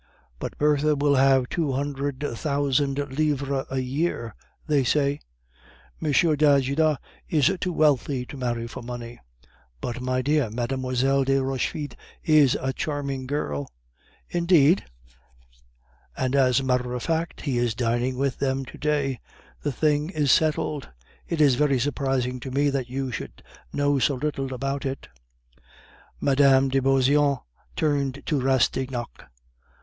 "But Bertha will have two hundred thousand livres a year, they say." "M. d'Ajuda is too wealthy to marry for money." "But, my dear, Mlle. de Rochefide is a charming girl." "Indeed?" "And, as a matter of fact, he is dining with them to day; the thing is settled. It is very surprising to me that you should know so little about it." Mme. de Beauseant turned to Rastignac.